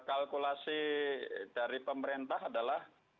kalkulasi dari pemerintah adalah